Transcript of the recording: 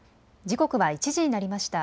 時刻は１時になりました。